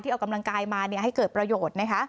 ที่เอากำลังกายมาให้เกิดประโยชน์